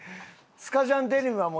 スカジャンデニムは。